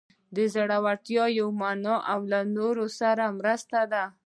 د زړورتیا یوه معنی له نورو سره مرسته ده.